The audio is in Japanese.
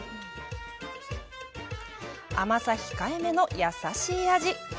甘さ控えめの優しい味。